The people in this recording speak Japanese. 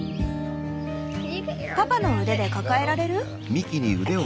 パパの腕で抱えられる？